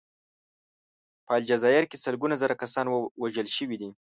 په الجزایر کې سلګونه زره کسان وژل شوي دي.